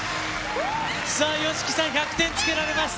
さあ、ＹＯＳＨＩＫＩさん、１００点つけられました。